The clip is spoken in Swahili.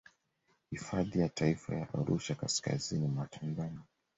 Hifadhi ya taifa ya Arusha kaskazini mwa Tanzania